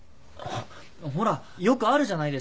ほらよくあるじゃないですか。